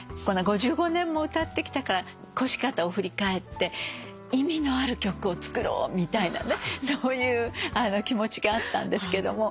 ５５年も歌ってきたから来し方を振り返って意味のある曲を作ろうみたいなねそういう気持ちがあったんですけども。